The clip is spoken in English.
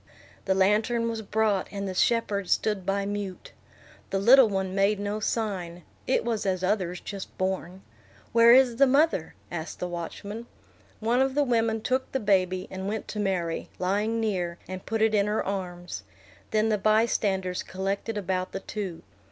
The lantern was brought, and the shepherds stood by mute. The little one made no sign; it was as others just born. "Where is the mother?" asked the watchman. One of the women took the baby, and went to Mary, lying near, and put it in her arms. Then the bystanders collected about the two.